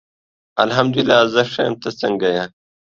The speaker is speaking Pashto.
الحمد الله زه ښه یم ته څنګه یی